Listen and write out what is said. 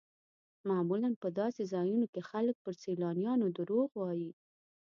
معمولا په داسې ځایونو کې خلک پر سیلانیانو دروغ وایي.